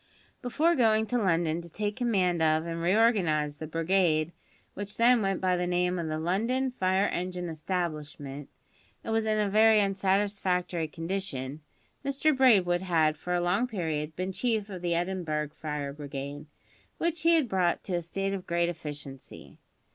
Before going to London to take command of and reorganise the brigade which then went by the name of the London Fire Engine Establishment, and was in a very unsatisfactory condition, Mr Braidwood had, for a long period, been chief of the Edinburgh Fire Brigade, which he had brought to a state of great efficiency.